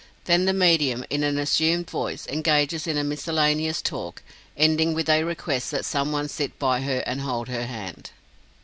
Then the medium, in an assumed voice, engages in a miscellaneous talk, ending with a request that some one sit by her and hold her hand.